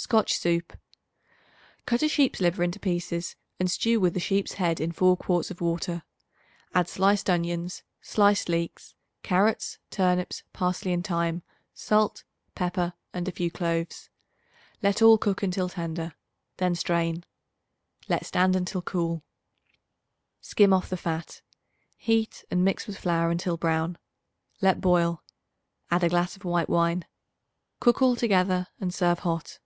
Scotch Soup. Cut a sheep's liver into pieces and stew with the sheep's head in 4 quarts of water. Add sliced onions, sliced leeks, carrots, turnips, parsley and thyme, salt, pepper and a few cloves. Let all cook until tender; then strain. Let stand until cool. Skim off the fat; heat and mix with flour until brown; let boil. Add a glass of white wine. Cook all together and serve hot.